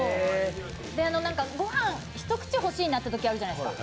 ご飯一口欲しいなというときあるじゃないですか。